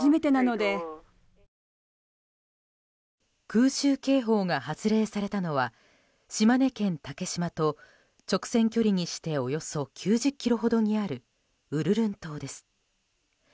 空襲警報が発令されたのは島根県竹島と直線距離にしておよそ９０ｋｍほどにあるウルルン島です。